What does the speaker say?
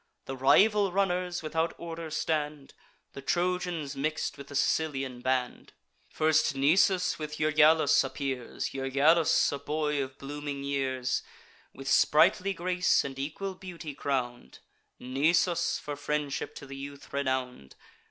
The rival runners without order stand; The Trojans mix'd with the Sicilian band. First Nisus, with Euryalus, appears; Euryalus a boy of blooming years, With sprightly grace and equal beauty crown'd; Nisus, for friendship to the youth renown'd.